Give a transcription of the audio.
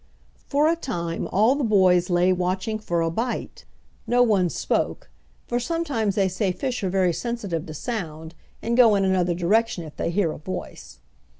For a time all the boys lay watching for a bite. No one spoke, for sometimes they say fish are very sensitive to sound and go in another direction if they hear a voice.